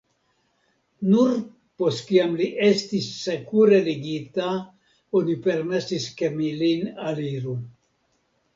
Nur post kiam li estis sekure ligita oni permesis ke mi lin aliru.